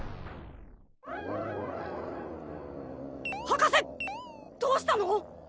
博士どうしたの？